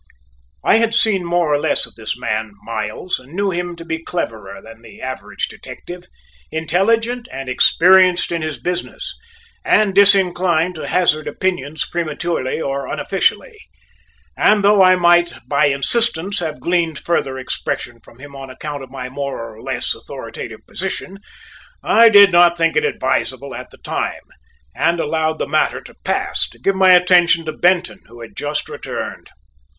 I had seen more or less of this man, Miles, and knew him to be cleverer than the average detective, intelligent, and experienced in his business, and disinclined to hazard opinions prematurely or unofficially, and though I might by insistence have gleaned further expression from him on account of my more or less authoritative position, I did not think it advisable at the time, and allowed the matter to pass to give my attention to Benton, who had just returned.